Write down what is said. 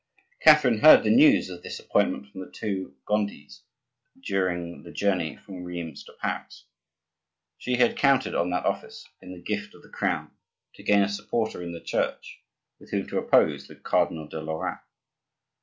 Catherine heard the news of this appointment from the two Gondis during the journey from Rheims to Paris. She had counted on that office in the gift of the Crown to gain a supporter in the Church with whom to oppose the Cardinal de Lorraine.